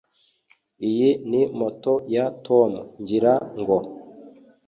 iyi ni moto ya tom, ngira ngo